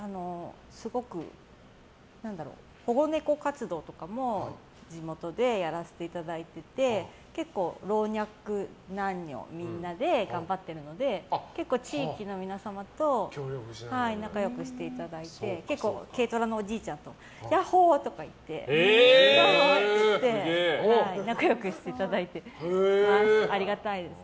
保護猫活動とかも地元でやらせていただいてて結構、老若男女みんなで頑張っているので、地域の皆様と仲良くしていただいて結構、軽トラのおじいちゃんとヤッホー！とか言って仲良くしていただいています。